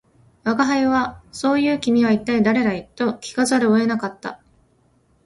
吾輩は「そう云う君は一体誰だい」と聞かざるを得なかった